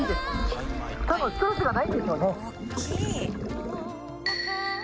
多分ストレスがないんでしょうね。